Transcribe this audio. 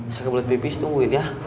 saya ke bulet pipis tungguin ya